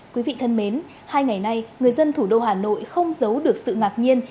quý vị thân mến hai ngày nay người dân thủ đô hà nội không giấu được sự ngạc nhiên